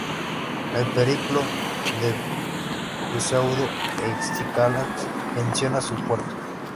El "Periplo de Pseudo-Escílax" menciona su puerto.